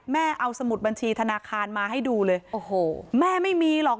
แม่เอาสมุดบัญชีธนาคารมาให้ดูเลยโอ้โหแม่ไม่มีหรอก